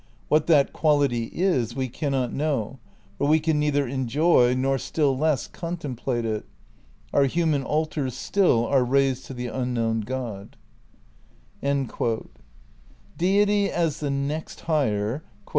What that quality is we cannot know; for we can neither enjoy nor still less contemplate it. Our human altars still are raised to the unknown God." ' Deity, as the next higher, ...